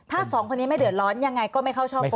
ถ้าสองคนนี้ไม่เดือดร้อนยังไงก็ไม่เข้าช่อง